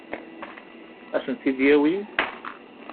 Ad sen-t-id-yawi?